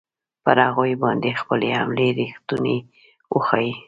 پر هغوی باندې خپلې حملې ریښتوني وښیي.